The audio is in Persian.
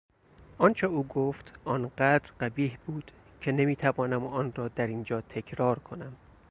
آنچه او گفت آنقدرقبیح بود که نمیتوانم آن را در اینجا تکرار کنم.